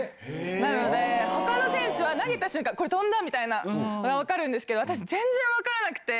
なので、ほかの選手は、投げた瞬間、これ、飛んだみたいな、分かるんですけど、私、全然分からなくて。